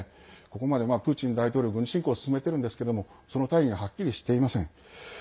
ここまでプーチン大統領軍事侵攻を進めているんですけれどもその大義がはっきりしていません。